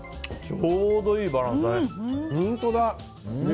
ちょうどいいバランスだね。